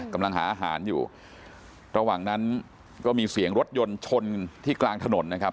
กำลังหาอาหารอยู่ระหว่างนั้นก็มีเสียงรถยนต์ชนที่กลางถนนนะครับ